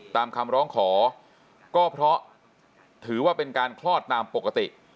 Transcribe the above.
ตามคำร้องขอก็เพราะถือว่าเป็นการคลอดตามปกติ